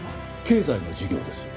経済の授業です。